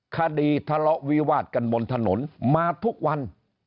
คดีทะเลาะวิวาดกันบนถนนมาทุกวัน